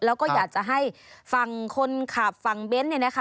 แล้วก็อยากจะให้ฟังคนขับฟังเบ้นท์